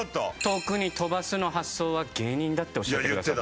「遠くに飛ばす」の発想は芸人だっておっしゃってくださって。